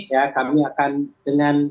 ya kami akan dengan